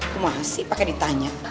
kamu ngasih pake ditanya